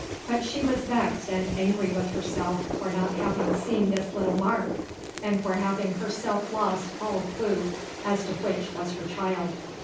But she was vexed and angry with herself for not having seen this little mark, and for having herself lost all clue as to which was her child.